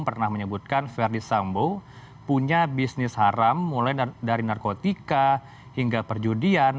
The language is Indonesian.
pernah menyebutkan verdi sambo punya bisnis haram mulai dari narkotika hingga perjudian